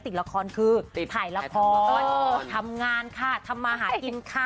ละครคือถ่ายละครทำงานค่ะทำมาหากินค่ะ